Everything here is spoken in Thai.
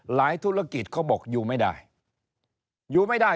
หลายธุรกิจเขาบอกอยู่ไม่ได้